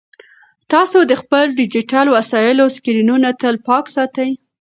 تاسو د خپلو ډیجیټل وسایلو سکرینونه تل پاک ساتئ.